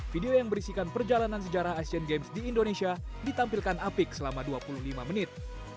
video yang berisikan perjalanan sejarah asian games di indonesia ditampilkan apik selama dua puluh lima menit